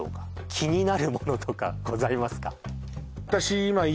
気になるものとかございますか？